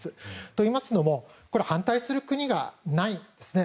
といいますのも反対する国がないんですね。